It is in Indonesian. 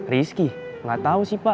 rizky nggak tahu sih pak